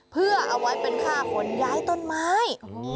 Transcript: เพื่อเอาไว้เป็นค่าขนย้ายต้นไม้